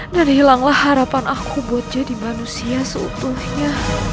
dan hilanglah harapan aku buat jadi manusia seutuhnya